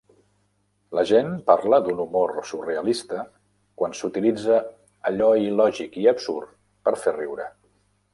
La gent parla d'un humor surrealista quan s'utilitza allò il·lògic i absurd per fer riure.